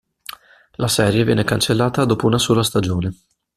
La serie venne cancellata dopo una sola stagione.